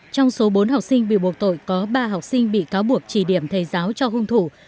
trong số bốn học sinh bị buộc tội có ba học sinh bị cáo buộc chỉ điểm thầy giáo cho hung thủ